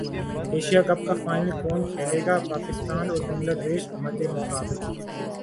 Asia cup کا final کون کھیلے گا پاکستان اور بنگلہ دیش مدمقابل